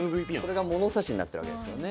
それが物差しになってるわけですよね。